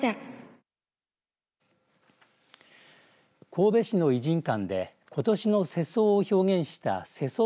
神戸市の異人館でことしの世相を表現した世相